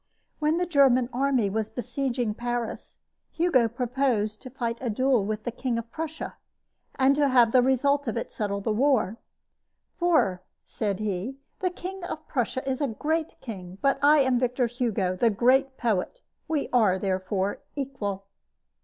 When the German army was besieging Paris, Hugo proposed to fight a duel with the King of Prussia, and to have the result of it settle the war; "for," said he, "the King of Prussia is a great king, but I am Victor Hugo, the great poet. We are, therefore, equal."